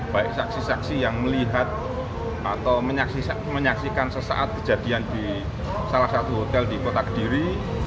baik saksi saksi yang melihat atau menyaksikan sesaat kejadian di salah satu hotel di kota kediri